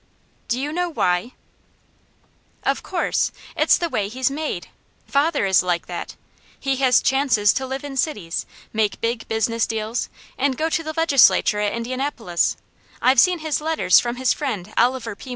"Do you know WHY?" "Of course! It's the way he's MADE! Father is like that! He has chances to live in cities, make big business deals, and go to the legislature at Indianapolis; I've seen his letters from his friend Oliver P.